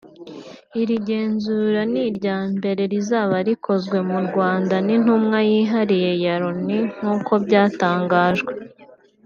Iri genzura ni irya mbere rizaba rikozwe mu Rwanda n’intumwa yihariye ya Loni nk’uko byatangajwe